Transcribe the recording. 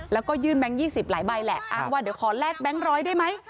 แล้วก็ยื่นแบงค์๒๐หลายใบแหละอ้างว่าเดี๋ยวขอแลกแบงค์ร้อยได้ไหม